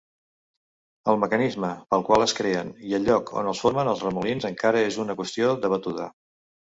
El mecanisme pel qual es creen i el lloc on els formen els remolins encara és una qüestió debatuda.